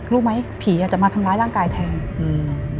รู้ไหมผีอ่ะจะมาทำร้ายร่างกายแทนอืม